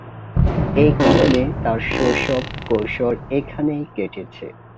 এ কারণে তার শৈশব কৈশোর এখানেই কেটেছে।